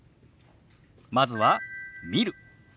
まずは「見る」。